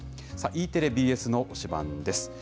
Ｅテレ、ＢＳの推しバンです。